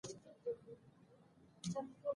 سلیمان غر د افغانستان په ستراتیژیک اهمیت کې رول لري.